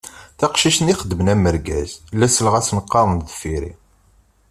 Taqcict-nni ixedmen am urgaz, I asen-selleɣ qqaren deffir-i.